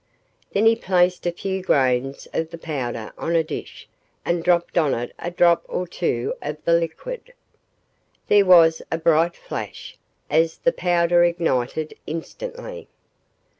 Then he placed a few grains of the powder on a dish and dropped on it a drop or two of the liquid. There was a bright flash, as the powder ignited instantly.